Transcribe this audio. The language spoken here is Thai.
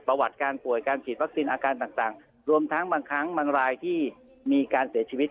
ประวัติการป่วยการฉีดวัคซีนอาการต่างรวมทั้งบางครั้งบางรายที่มีการเสียชีวิต